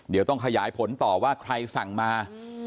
เดี๋ยวต้องขยายผลต่อว่าใครสั่งมา